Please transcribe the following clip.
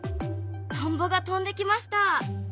トンボが飛んできました。